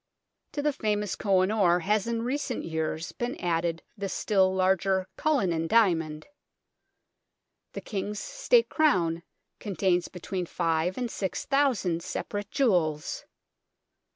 To the famous Koh i Noor has in recent years been added the still larger Cullinan diamond. The King's State Crown contains between five and six thousand separate jewels.